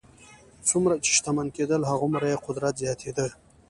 څومره چې شتمن کېدل هغومره یې قدرت زیاتېده.